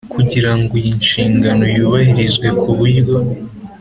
Kugira ngo iyi nshingano yubahirizwe ku buryo